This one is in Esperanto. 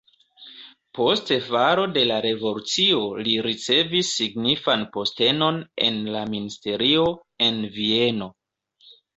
Post falo de la revolucio li ricevis signifan postenon en la ministerio en Vieno.